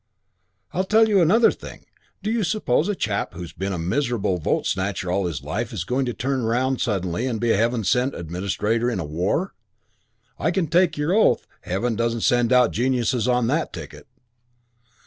I tell you that's another thing. Do you suppose a chap who's been a miserable vote snatcher all his life is going to turn round suddenly and be a heaven sent administrator in a war? You can take your oath Heaven doesn't send out geniuses on that ticket.